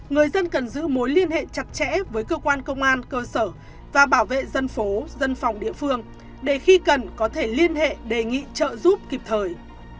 người dân cần giữ mối liên hệ chặt chẽ với cơ quan công an cơ sở và bảo vệ dân phố dân phòng địa phương để khi cần có thể liên hệ đề nghị trợ giúp kịp thời